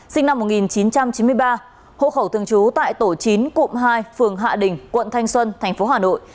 sinh năm một nghìn chín trăm chín mươi ba hộ khẩu thường trú tại tổ chín cụm hai phường hạ đình quận thanh xuân tp hà nội